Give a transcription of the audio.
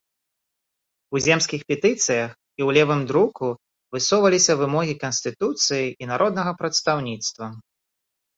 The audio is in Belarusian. У земскіх петыцыях і ў левым друку высоўваліся вымогі канстытуцыі і народнага прадстаўніцтва.